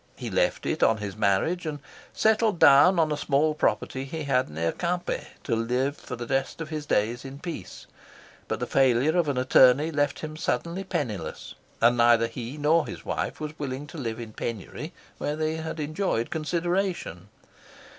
He left it on his marriage, and settled down on a small property he had near Quimper to live for the rest of his days in peace; but the failure of an attorney left him suddenly penniless, and neither he nor his wife was willing to live in penury where they had enjoyed consideration.